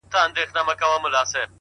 په مړاوو گوتو كي قوت ډېر سي،